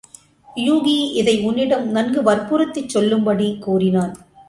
யூகி இதை உன்னிடம் நன்கு வற்புறுத்திச் சொல்லும்படி கூறினான்.